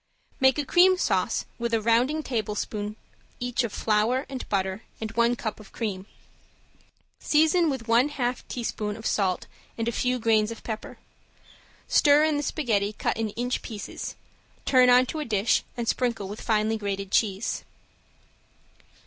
Make a cream sauce with a rounding tablespoon each of flour and butter and one cup of cream. Season with one half teaspoon of salt and a few grains of pepper. Stir in the spaghetti cut in inch pieces, turn on to a dish, and sprinkle with finely grated cheese.